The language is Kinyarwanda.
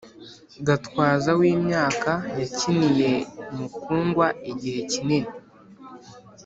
gatwaza w’imyaka yakiniye mukugwa igihe kinini